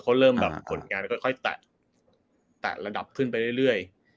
เขาเริ่มแบบผลงานค่อยแตะระดับขึ้นไปเรื่อย